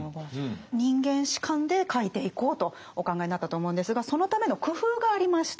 人間史観で書いていこうとお考えになったと思うんですがそのための工夫がありました。